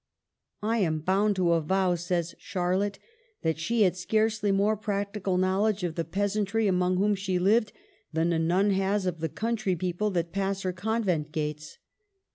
" I am bound to avow," says Charlotte, " that she had scarcely more practical knowledge of the peasantry among whom she lived than a nun has of the country people that pass her convent gates.